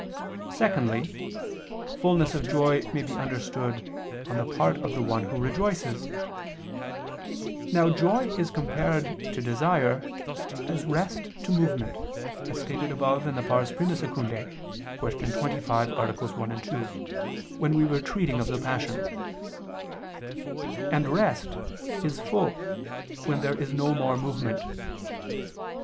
Secondly, fulness of joy may be understood on the part of the one who rejoices. Now joy is compared to desire, as rest to movement, as stated above (I II, Q. 25, AA. 1, 2), when we were treating of the passions: and rest is full when there is no more movement.